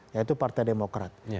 yaitu partai demokrasi